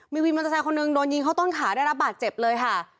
มีวินมอเตอร์ไซค์คนหนึ่งโดนยิงเข้าต้นขาได้รับบาดเจ็บเลยค่ะ